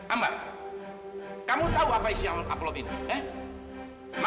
ambar kamu tahu apa isi ampul ini ya